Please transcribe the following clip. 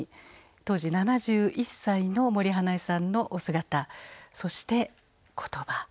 当時７１歳の森英恵さんのお姿そして言葉。